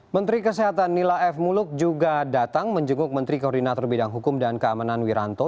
menteri kesehatan nila f muluk juga datang menjenguk menteri koordinator bidang hukum dan keamanan wiranto